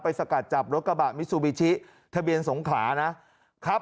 สกัดจับรถกระบะมิซูบิชิทะเบียนสงขลานะครับ